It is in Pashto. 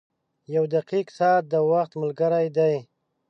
• یو دقیق ساعت د وخت ملګری دی.